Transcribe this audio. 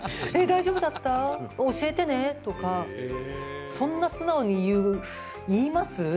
「え大丈夫だった？教えてね」とかそんな素直に言います？